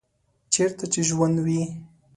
چیرته چې ژوند وي